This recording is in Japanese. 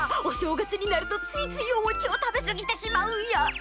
お正月になるとついついお餅を食べ過ぎてしまうんや！